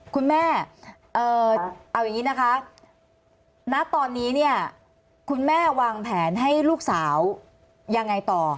คุณแม่เอาอย่างนี้นะคะณตอนนี้เนี่ยคุณแม่วางแผนให้ลูกสาวยังไงต่อ